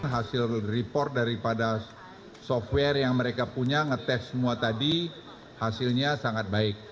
hasil report daripada software yang mereka punya ngetes semua tadi hasilnya sangat baik